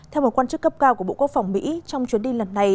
theo một quan chức cấp cao của bộ quốc phòng mỹ trong chuyến đi lần này